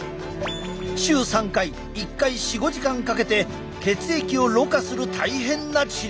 週３回１回４５時間かけて血液をろ過する大変な治療だ。